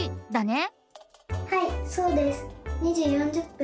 はいそうです。